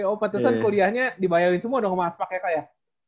oh kebetulan kuliahnya dibayarin semua dong sama aspak ya kak ya